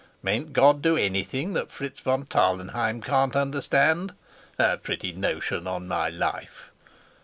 Mayn't God do anything that Fritz von Tarlenheim can't understand? a pretty notion, on my life!"